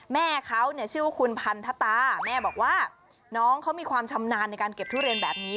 แม่เขาเนี่ยชื่อว่าคุณพันธตาแม่บอกว่าน้องเขามีความชำนาญในการเก็บทุเรียนแบบนี้